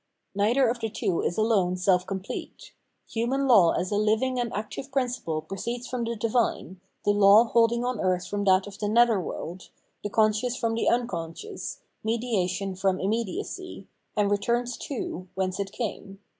Neither of the two is alone self complete. Human law as a hving and active principle proceeds from the divine, the law holding on earth from that of the nether world, the conscious from the unconscious, mediation from immediacy; and returns too whence it came.